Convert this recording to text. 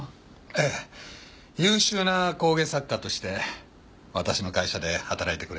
ええ優秀な工芸作家として私の会社で働いてくれてます。